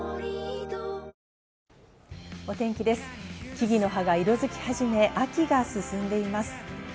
木々の葉が色づき始め、秋が進んでいます。